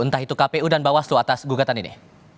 entah itu kpu dan bawaslu atas gugatan ini